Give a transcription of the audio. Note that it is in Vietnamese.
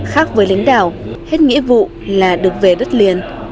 khác với lính đảo hết nghĩa vụ là được về đất liền